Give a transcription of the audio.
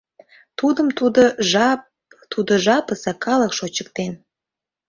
Тудым тудо жап, тудо жапысе калык шочыктен.